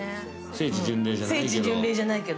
聖地巡礼じゃないけど。